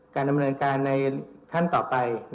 การดำเนินการในขั้นต่อไป